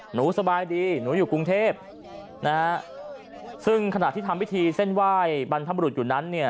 หนูสบายดีหนูอยู่กรุงเทพนะฮะซึ่งขณะที่ทำพิธีเส้นไหว้บรรพบรุษอยู่นั้นเนี่ย